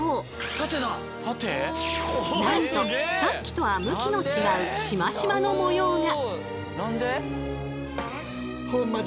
なんとさっきとは向きの違うシマシマの模様が！